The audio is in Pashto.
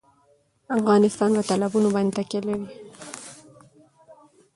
افغانستان په تالابونه باندې تکیه لري.